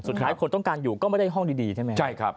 สุดท้ายคนต้องการอยู่ก็ไม่ได้ห้องดีใช่ไหมใช่ครับ